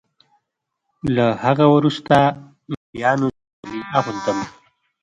له هغه وروسته بیا نو زه کالي اغوندم.